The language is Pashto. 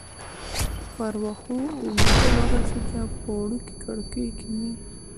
پر وښو اوږد وغځېدم، په وړوکې کړکۍ کې مې.